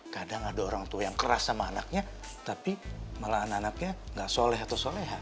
kadang ada orang tua yang keras sama anaknya tapi malah anak anaknya gak soleh atau solehan